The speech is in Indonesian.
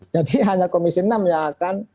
jadi hanya komisi enam yang akan